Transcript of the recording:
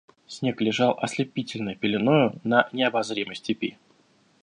Снег лежал ослепительной пеленою на необозримой степи.